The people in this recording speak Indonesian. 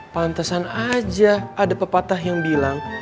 pantasan aja ada pepatah yang bilang